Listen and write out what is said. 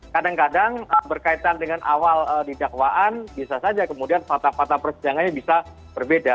kadang kadang berkaitan dengan awal di dakwaan bisa saja kemudian fakta fakta persidangannya bisa berbeda